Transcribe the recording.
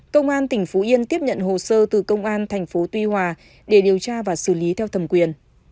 công an tỉnh phú yên tiếp nhận hồ sơ từ công an thành phố tuy hòa để điều tra và xử lý theo thẩm quyền